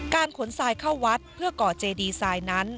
ขนทรายเข้าวัดเพื่อก่อเจดีไซน์นั้น